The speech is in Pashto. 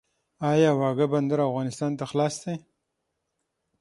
آیا واګه بندر افغانستان ته خلاص دی؟